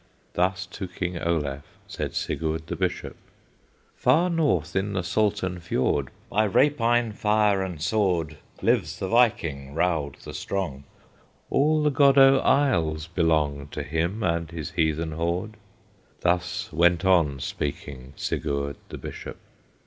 Thus to King Olaf Said Sigurd the Bishop. "Far north in the Salten Fiord, By rapine, fire, and sword, Lives the Viking, Raud the Strong; All the Godoe Isles belong To him and his heathen horde." Thus went on speaking Sigurd the Bishop.